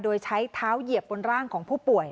โดยใช้เท้าเหยียบบนร่างของผู้ป่วย